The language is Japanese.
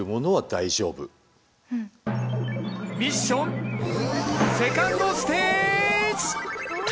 ミッションセカンドステージ。